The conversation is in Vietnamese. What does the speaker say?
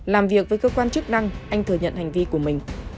làm việc với cơ quan chức năng anh thừa nhận hành vi của mình